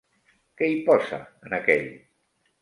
Què hi posa en aquell??